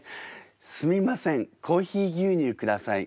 すみませんコーヒー牛乳下さい。